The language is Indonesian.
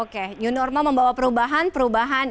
oke new normal membawa perubahan perubahan